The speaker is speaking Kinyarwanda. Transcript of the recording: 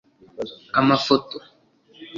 Amafoto